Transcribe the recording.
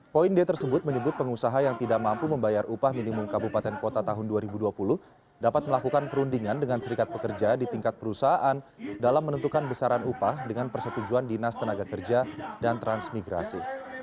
poin d tersebut menyebut pengusaha yang tidak mampu membayar upah minimum kabupaten kota tahun dua ribu dua puluh dapat melakukan perundingan dengan serikat pekerja di tingkat perusahaan dalam menentukan besaran upah dengan persetujuan dinas tenaga kerja dan transmigrasi